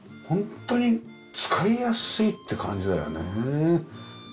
ホントに使いやすいって感じだよね。